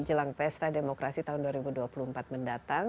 jelang pesta demokrasi tahun dua ribu dua puluh empat mendatang